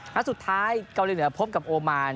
นัดสุดท้ายเกาหลีเหนือพบกับโอมาน